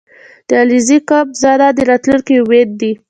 • د علیزي قوم ځوانان د راتلونکي امید دي.